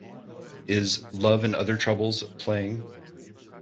Is Love and Other Troubles playing